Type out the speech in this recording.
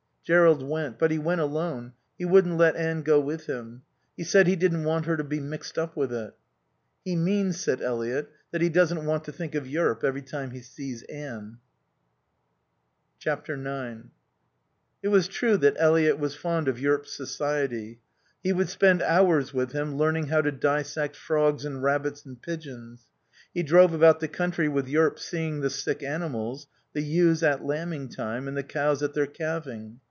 Jerrold went. But he went alone, he wouldn't let Anne go with him. He said he didn't want her to be mixed up with it. "He means," said Eliot, "that he doesn't want to think of Yearp every time he sees Anne." ix It was true that Eliot was fond of Yearp's society. He would spend hours with him, learning how to dissect frogs and rabbits and pigeons. He drove about the country with Yearp seeing the sick animals, the ewes at lambing time and the cows at their calving.